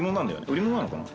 売り物なのかな？